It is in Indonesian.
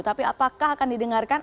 tapi apakah akan didengarkan